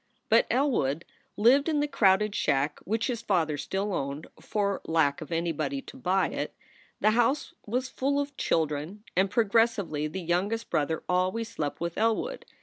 But Elwood lived in the crowded shack which his father still owned, for lack of anybody to buy it. The house was full of children, and progressively the youngest brother al ways slept with Elwood.